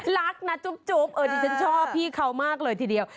รักนะจุ๊บดิฉันชอบพี่เขามากเลยทีเดียว